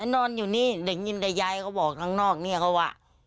นอนอยู่นี่เด็กยินแต่ยายเขาบอกทั้งนอกเนี่ยเขาว่า